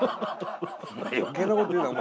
余計なこと言うなお前。